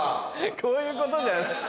こういうことじゃない。